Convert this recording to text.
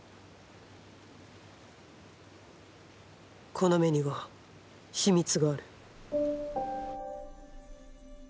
この目には秘密がある。